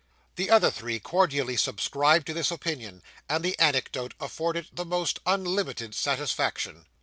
The other three cordially subscribed to this opinion, and the anecdote afforded the most unlimited satisfaction.